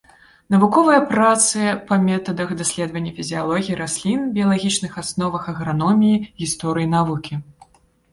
Навуковыя працы па метадах даследавання фізіялогіі раслін, біялагічных асновах аграноміі, гісторыі навукі.